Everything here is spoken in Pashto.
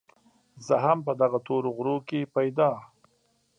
زه هم په دغه تورو غرو کې پيدا